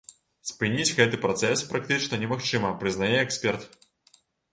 Спыніць гэты працэс практычна немагчыма, прызнае эксперт.